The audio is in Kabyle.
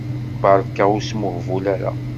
Berka, ur smuhbul ara.